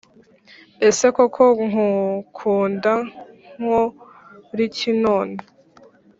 Ese ko nkukunda nkoriki none